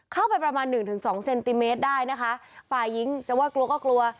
เข้าไปประมาณ๑๒เซนติเมตรได้นะคะฝ่ายยิงจะว่ากลัวก็กลัว